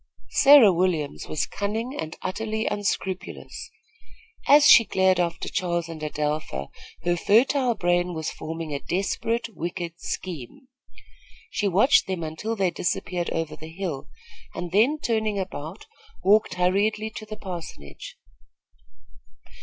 Sarah Williams was cunning and utterly unscrupulous. As she glared after Charles and Adelpha, her fertile brain was forming a desperate, wicked scheme. She watched them until they disappeared over the hill, and then, turning about, walked hurriedly to the parsonage.